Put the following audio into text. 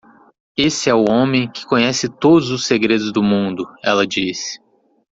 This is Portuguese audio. "Esse é o homem que conhece todos os segredos do mundo?" ela disse.